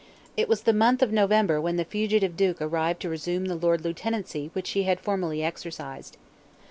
It was the month of November when the fugitive Duke arrived to resume the Lord Lieutenancy which he had formerly exercised.